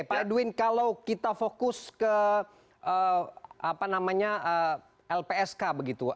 pak edwin kalau kita fokus ke apa namanya lpsk begitu